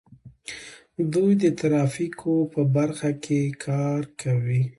دوی د ترافیکو په برخه کې کار کوي.